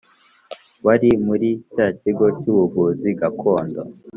wari muri cya kigo cy’ubuvuzi gakondo.